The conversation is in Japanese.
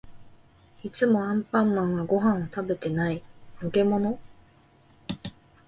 いつもアンパンマンはご飯を食べてない。のけもの？